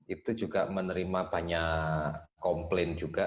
itu juga menerima banyak komplain juga